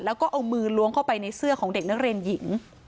แล้วก็เอามือล้วงเข้าไปในเสื้อของเด็กนักเรียนหญิง